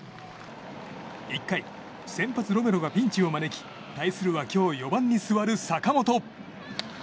１回、先発のロメロがピンチを招き対するは今日４番に座る坂本。